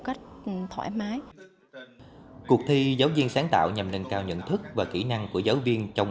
cách thoải mái cuộc thi giáo viên sáng tạo nhằm nâng cao nhận thức và kỹ năng của giáo viên trong